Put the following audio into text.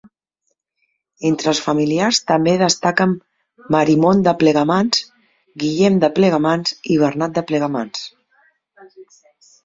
Entre els familiars també destaquen Marimon de Plegamans, Guillem de Plegamans i Bernat de Plegamans.